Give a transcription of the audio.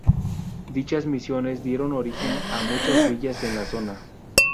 Dichas misiones dieron origen a muchas villas en la zona.